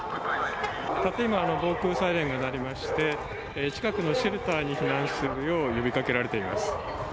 たった今防空サイレンが鳴りまして近くのシェルターに避難するよう呼びかけられています。